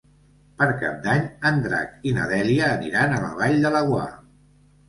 Per Cap d'Any en Drac i na Dèlia aniran a la Vall de Laguar.